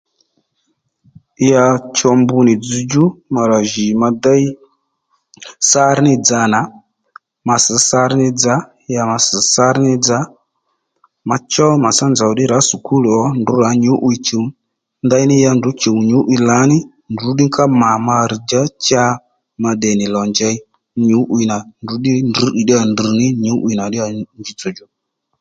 Ya cho mbu nì dzzdjú ma rà jì ma déy sárŕ ní dza nà ma sš sárŕ ní dza ya ma ss̀ sárŕ ní dza ma chó màtsá nzòw ddí rǎ sukul ò ndrǔ rǎ nyǔ'wiy chùw ndaní ya ndrǔ chùw nyǔ'wiy lǎní ndrǔ ddí ka mà ma rr̀dja cha ma dey lò njěy nyǔ'wiy nà ndrǔ ddí drř ddíyà drr̀ ní nyǔ'wiy nà ddíyà njitsò djò